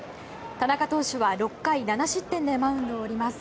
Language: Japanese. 田中投手は６回７失点でマウンドを降ります。